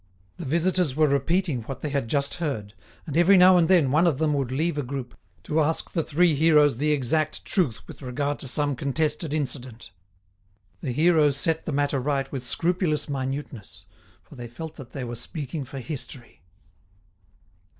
The visitors were repeating what they had just heard, and every now and then one of them would leave a group to ask the three heroes the exact truth with regard to some contested incident. The heroes set the matter right with scrupulous minuteness, for they felt that they were speaking for history!